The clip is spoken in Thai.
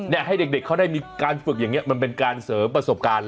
ให้เด็กเขาได้มีการฝึกอย่างนี้มันเป็นการเสริมประสบการณ์